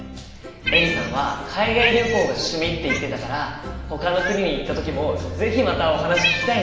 エリさんは海外旅行が趣味って言ってたからほかの国に行った時も是非またお話聞きたいね。